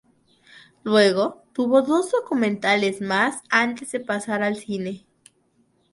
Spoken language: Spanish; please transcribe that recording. Luego tuvo dos documentales más antes de pasar al cine.